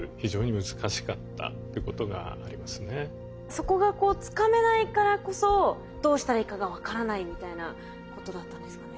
そこがこうつかめないからこそどうしたらいいかが分からないみたいなことだったんですかね？